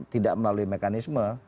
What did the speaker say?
tidak melalui mekanisme